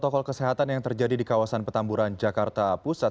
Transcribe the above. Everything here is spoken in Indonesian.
protokol kesehatan yang terjadi di kawasan petamburan jakarta pusat